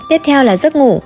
tiếp theo là giấc ngủ